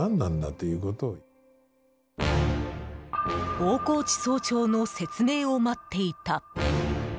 大河内総長の説明を待っていた。